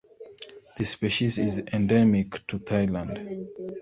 The species is endemic to Thailand.